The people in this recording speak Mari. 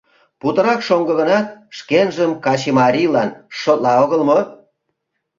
Путырак шоҥго гынат, шкенжым качымарийлан шотла огыл мо?